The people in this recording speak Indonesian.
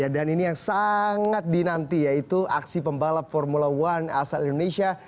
dan ini yang sangat dinanti yaitu aksi pembalap formula satu asal indonesia